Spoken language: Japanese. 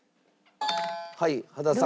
はい羽田さん。